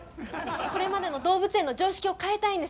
これまでの動物園の常識を変えたいんです。